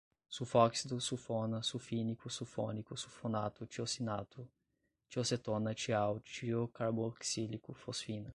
sulfóxido, sulfona, sulfínico, sulfônico, sulfonato, tiocianato, tiocetona, tial, tiocarboxílico, fosfina